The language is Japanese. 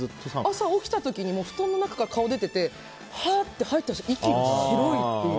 朝起きた時に布団の中から顔出ててはーって吐いた息が白いっていう。